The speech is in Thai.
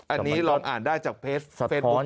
อันนี้ลองอ่านได้จากเพจเฟซบุ๊ค